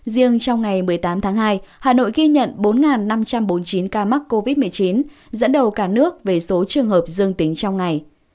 riêng trong ngày một mươi tám tháng hai hà nội ghi nhận bốn năm trăm bốn mươi chín ca mắc covid một mươi chín dẫn đầu cả nước về số trường hợp dương tính trong ngày